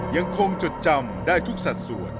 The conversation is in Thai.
ยังคงจดจำได้ทุกสัตว์ส่วน